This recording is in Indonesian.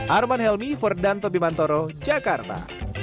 arman helmi ferdanto bimantoro jakarta